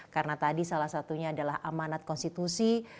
karena tadi salah satunya adalah amanat konstitusi